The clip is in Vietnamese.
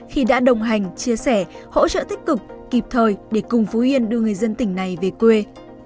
khi đã đồng hành chia sẻ hỗ trợ tích cực kịp thời để cùng phú yên đưa người dân tỉnh này về quê